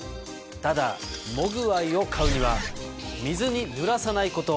ただモグワイを飼うには水にぬらさないこと。